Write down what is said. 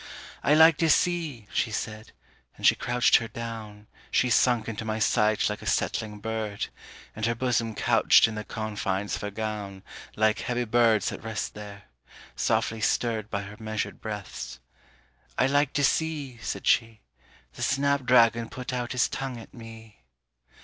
"I like to see," she said, and she crouched her down, She sunk into my sight like a settling bird; And her bosom couched in the confines of her gown Like heavy birds at rest there, softly stirred By her measured breaths: "I like to see," said she, "The snap dragon put out his tongue at me."